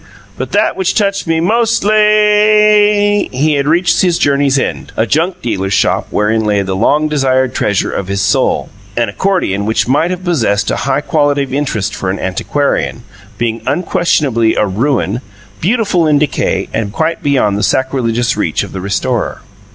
But that which touched me mostlay " He had reached his journey's end, a junk dealer's shop wherein lay the long desired treasure of his soul an accordion which might have possessed a high quality of interest for an antiquarian, being unquestionably a ruin, beautiful in decay, and quite beyond the sacrilegious reach of the restorer.